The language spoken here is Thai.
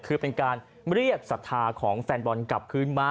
คือเป็นการเรียกศรัทธาของแฟนบอลกลับคืนมา